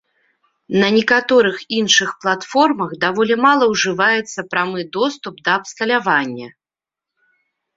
На некаторых іншых платформах даволі мала ужываецца прамы доступ да абсталявання.